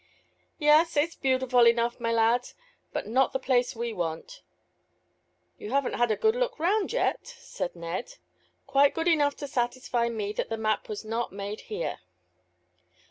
"Yes; it's beautiful enough, my lad, but not the place we want." "You haven't had a good look round yet," said Ned. "Quite good enough to satisfy me that the map was not made here."